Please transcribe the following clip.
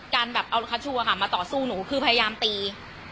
การแบบเอาคัชชูอะค่ะมาต่อสู้หนูคือพยายามตี